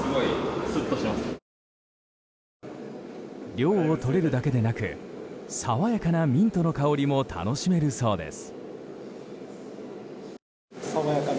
涼をとれるだけでなく爽やかなミントの香りも楽しめるそうです。